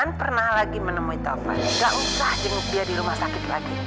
kafanya belum datang juga ya